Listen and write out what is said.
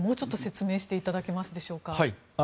もうちょっと説明していただけますでしょうか。